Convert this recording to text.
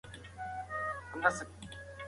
انلاين زده کړه زده کوونکو ته فرصتونه زياتوي هره ورځ.